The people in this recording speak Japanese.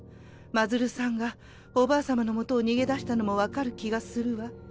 真鶴さんがおばあ様のもとを逃げ出したのも分かる気がするわ。